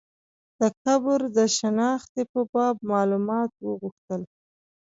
د قبر د شنختې په باب معلومات وغوښتل.